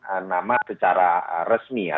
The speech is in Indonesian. bisa dikira nama secara resmi ya